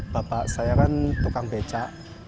bapak saya kan tukang beca